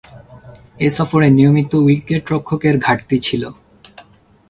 এ সফরে নিয়মিত উইকেট-রক্ষকের ঘাটতি ছিল।